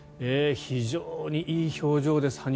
非常にいい表情です。